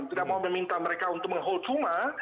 tidak mau meminta mereka untuk menghold cuma